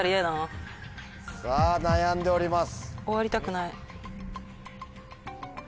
さぁ悩んでおります。